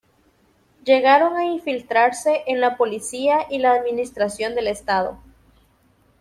Llegaron a infiltrarse en la policía y la administración del Estado.